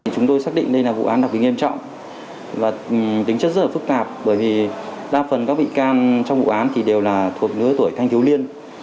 chúng tôi xác định đây là vụ án đặc biệt nghiêm trọng và tính chất rất là phức tạp bởi vì đa phần các bị can trong vụ án thì đều là thuộc lứa tuổi thanh thiếu liên